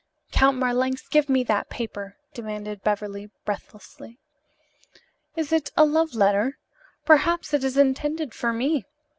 "Count Marlanx, give me that paper!" demanded Beverly breathlessly. "Is it a love letter? Perhaps it is intended for me.